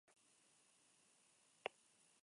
Línea de grandes ventanas de arco paredes del tambor.